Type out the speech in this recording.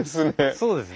そうですね。